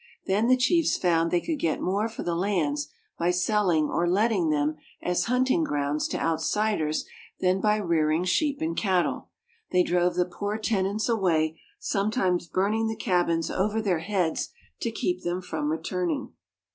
Then the chiefs found they could get more for the lands by selling or letting them as hunting grounds to outsiders than by rearing sheep and cattle. They drove the poor tenants away, sometimes burning the cabins over their heads to keep them from returning.